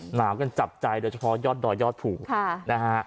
หนาวกันจับใจโดยเฉพาะยอดดอยยอดภูนะฮะ